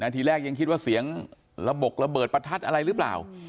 ทีแรกยังคิดว่าเสียงระบกระเบิดประทัดอะไรหรือเปล่า